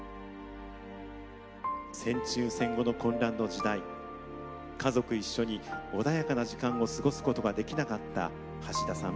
戦中戦後の混乱の時代家族一緒に穏やかな時間を過ごすことができなかった橋田さん。